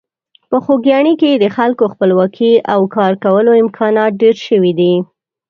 په خوږیاڼي کې د خلکو خپلواکي او کارکولو امکانات ډېر شوي دي.